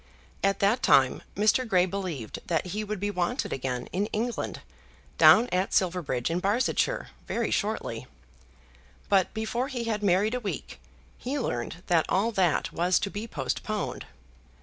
At that time Mr. Grey believed that he would be wanted again in England, down at Silverbridge in Barsetshire, very shortly. But before he had married a week he learned that all that was to be postponed.